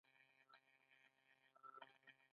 جوجو وویل مرگونه عادي دي.